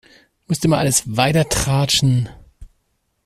Musst du immer alles weitertratschen?